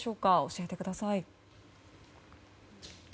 教えてください。